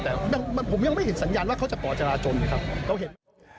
แต่ผมยังไม่เห็นสัญญาณว่าเขาจะป่อจราจนครับเขาเห็น